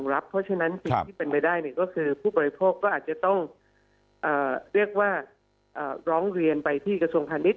เพราะฉะนั้นสิ่งที่เป็นไปได้ก็คือผู้บริโภคก็อาจจะต้องเรียกว่าร้องเรียนไปที่กระทรวงพาณิชย